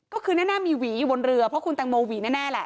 ก็คือแน่มีหวีอยู่บนเรือเพราะคุณแตงโมหวีแน่แหละ